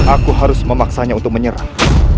aku harus memaksanya untuk menyerang